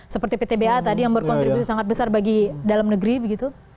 seperti ptba tadi yang berkontribusi sangat besar bagi dalam negeri begitu